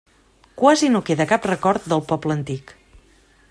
Quasi no queda cap record del poble antic.